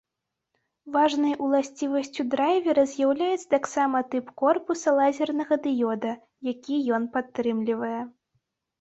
Важнай уласцівасцю драйвера з'яўляецца таксама тып корпуса лазернага дыёда, які ён падтрымлівае.